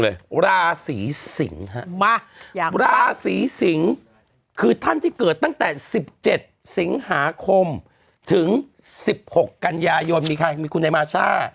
เลยราศีสิงฮะมาอยากราศีสิงคือท่านที่เกิดตั้งแต่สิบเจ็ดสิงหาคมถึงสิบหกกันยายนมีใครมีคุณนายีมาชา